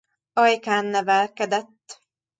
Ajkán nevelkedett.